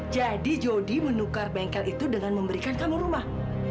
jadi jodi menukar bengkel itu dengan memberikan kamu rumah